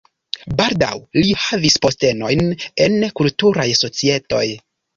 Baldaŭ li havis postenojn en kulturaj societoj.